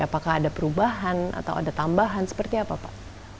apakah ada perubahan atau ada tambahan seperti apa pak